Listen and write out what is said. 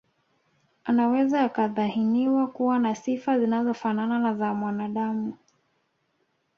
Anaweza akadhaniwa kuwa na sifa zinazofanana na za mwanaadamu